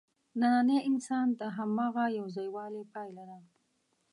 نننی انسان د هماغه یوځایوالي پایله ده.